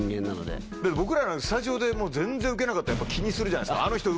僕ら、スタジオで全然受けなかったらやっぱ気にするじゃないですか。